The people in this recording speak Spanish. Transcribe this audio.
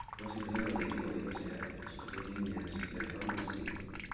Fue asignado al equipo de clase "A" "Spokane Indians" de la Northwest League.